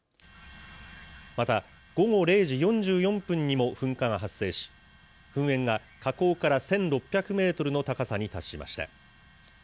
また、午後０時４４分にも噴火が発生し、噴煙が火口から１６００メートルの高さに達しました。